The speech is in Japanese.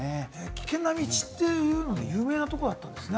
危険な道というので有名だったんですね。